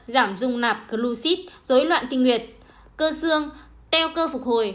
giảm dung nạp glucid dối loạn tinh nguyệt cơ xương teo cơ phục hồi